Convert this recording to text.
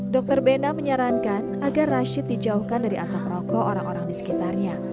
dokter bena menyarankan agar rashid dijauhkan dari asap rokok orang orang di sekitarnya